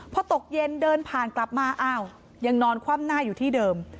พอตกเย็นเดินผ่านกลับมาอ้าวยังนอนคว่ำหน้าอยู่ที่เดิม